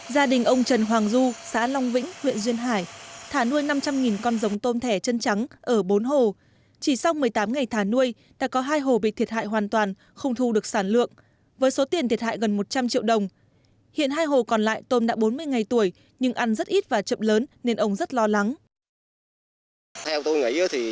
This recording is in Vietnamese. gia đình ông trần hoàng du xã long vĩnh huyện duyên hải thả nuôi năm trăm linh con giống tôm thẻ chân trắng ở bốn hồ chỉ sau một mươi tám ngày thả nuôi đã có hai hồ bị thiệt hại hoàn toàn không thu được sản lượng với số tiền thiệt hại gần một trăm linh triệu đồng hiện hai hồ còn lại tôm đã bốn mươi ngày tuổi nhưng ăn rất ít và chậm lớn nên ông rất lo lắng